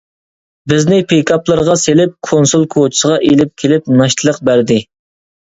بىزنى پىكاپلىرىغا سېلىپ، كونسۇل كوچىسىغا ئېلىپ كېلىپ ناشتىلىق بەردى.